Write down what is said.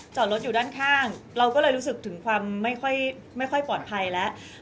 จอดรถอยู่ด้านข้างเราก็เลยรู้สึกถึงความไม่ค่อยปลอดภัยแล้ว